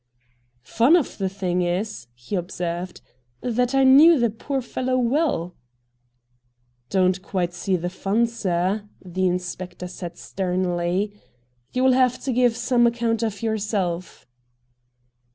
' Fun of the thing is,' he observed, ' that I knew the poor fellow well.' ' Don't quite see the fun, sir,' the inspector said sternly. 'You will have to give some account of yourself.'